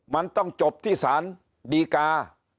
มันต้องจบที่สารดีกา